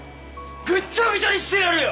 ぐっちゃぐちゃにしてやるよ！